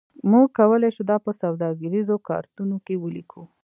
موږ کولی شو دا په سوداګریزو کارتونو کې ولیکو